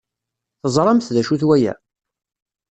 Teẓramt d acu-t waya?